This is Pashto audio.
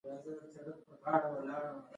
د کسبګرو او بزګرانو ترمنځ تبادلې زیاتې شوې.